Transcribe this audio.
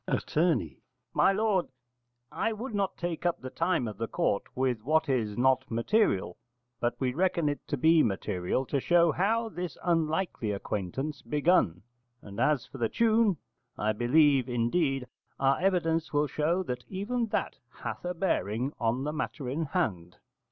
Att. My lord, I would not take up the time of the court with what is not material: but we reckon it to be material to show how this unlikely acquaintance begun: and as for the tune, I believe, indeed, our evidence will show that even that hath a bearing on the matter in hand.